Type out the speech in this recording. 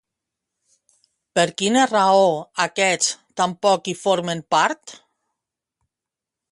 Per quina raó aquests tampoc hi formen part?